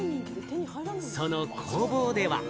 その工房では。